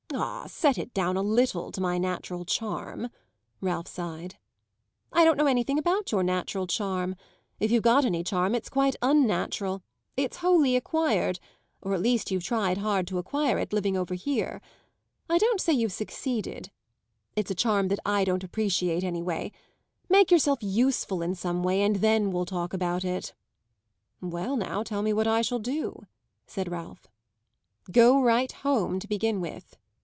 "Ah, set it down a little to my natural charm!" Ralph sighed. "I don't know anything about your natural charm. If you've got any charm it's quite unnatural. It's wholly acquired or at least you've tried hard to acquire it, living over here. I don't say you've succeeded. It's a charm that I don't appreciate, anyway. Make yourself useful in some way, and then we'll talk about it." "Well, now, tell me what I shall do," said Ralph. "Go right home, to begin with."